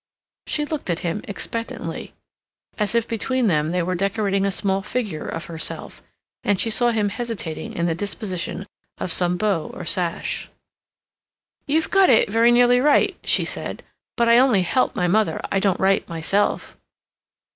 She looked at him expectantly, as if between them they were decorating a small figure of herself, and she saw him hesitating in the disposition of some bow or sash. "You've got it very nearly right," she said, "but I only help my mother. I don't write myself."